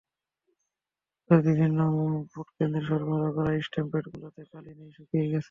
তবে বিভিন্ন ভোটকেন্দ্রে সরবরাহ করা স্ট্যাম্প প্যাডগুলোতে কালি নেই, শুকিয়ে গেছে।